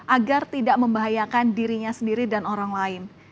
agar tidak membahayakan dirinya sendiri dan orang lain